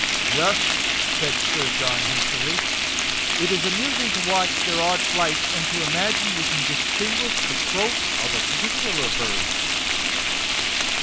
" Yes," said Sir John, hastily ;'' it is amus ing to watch their odd flights, and to imagine you can distinguish the croak of a particular bird."